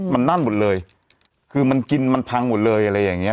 มันนั่นหมดเลยคือมันกินมันพังหมดเลยอะไรอย่างเงี้